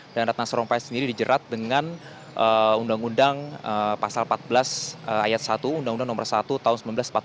dan ratna sarongpahit sendiri dijerat dengan undang undang pasal empat belas ayat satu undang undang nomor satu tahun seribu sembilan ratus empat puluh enam